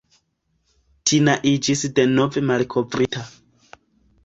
Tina iĝis denove "malkovrita".